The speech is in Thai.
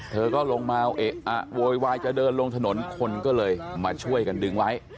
เธอก็ลงมาเอะอะโวยวายจะเดินลงถนนคนก็เลยมาช่วยกันดึงไว้